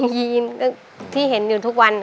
ยีนที่เห็นอยู่ทุกวัน